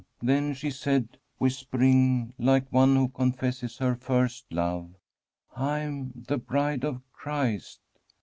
Then she said, whispering like one who confesses her first love: ' I am the Bride of Christ.'